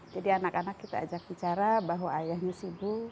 jadi anak anak kita ajak bicara bahwa ayahnya sibuk